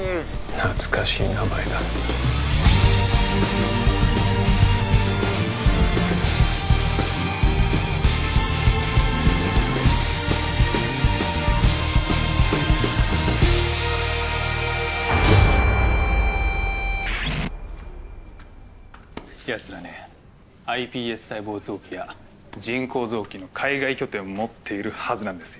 懐かしい名前だやつらねｉＰＳ細胞臓器や人工臓器の海外拠点を持っているはずなんですよ